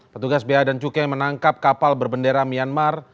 petugas ba dan cukai menangkap kapal berbendera myanmar